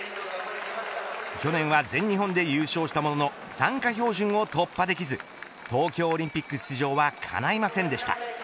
去年は全日本で優勝したものの参加標準を突破できず東京オリンピック出場はかないませんでした。